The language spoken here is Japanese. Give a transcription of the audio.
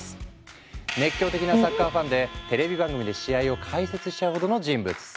熱狂的なサッカーファンでテレビ番組で試合を解説しちゃうほどの人物。